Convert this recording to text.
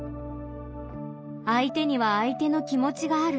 相手には相手の気持ちがある。